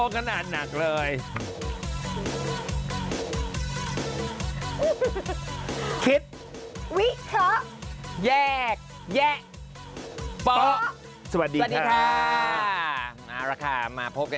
คิดวิเค้าแยกแยะปไป